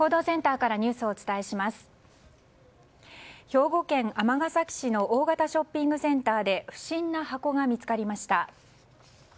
兵庫県尼崎市の大型ショッピングセンターで不審な箱が見つかりました。